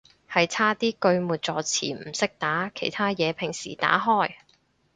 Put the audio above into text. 係差啲句末助詞唔識打，其他嘢平時打開